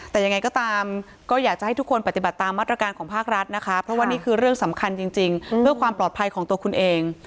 แต่ยังไงก็ตามก็อยากจะให้ทุกคนปฏิบัติตามมาตรการของภาครัฐนะคะเพราะว่านี่คือเรื่องสำคัญจริงเพื่อความปลอดภัยของตัวคุณเอง